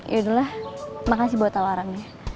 yaudahlah makasih buat tawarannya